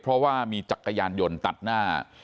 เพราะว่ามีจักรยานยนต์ตัดหน้า